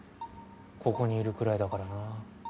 ここにいるくらいだからな。